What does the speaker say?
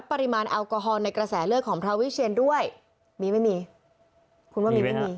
ปริมาณอัลกอฮ่อลต์ในกระแสเลือกของพระวิเชียนด้วยมีมั้ยมีคุณว่ามีมั้ยมั้ยมี